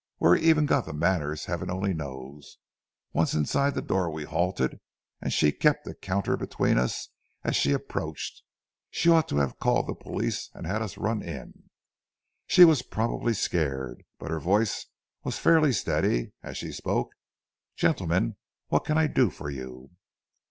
Where he ever got the manners, heaven only knows. Once inside the door we halted, and she kept a counter between us as she approached. She ought to have called the police and had us run in. She was probably scared, but her voice was fairly steady as she spoke. 'Gentlemen, what can I do for you?'